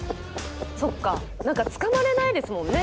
そっか何かつかまれないですもんね。